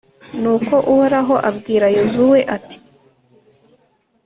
nuko uhoraho abwira yozuwe, ati